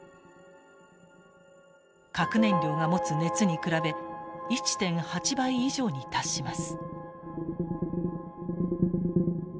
核燃料が持つ熱に比べ１．８倍以上に達します。